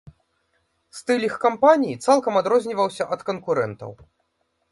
Стыль іх кампаніі цалкам адрозніваўся ад канкурэнтаў.